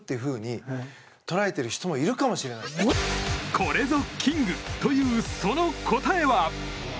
これぞキングというその答えは。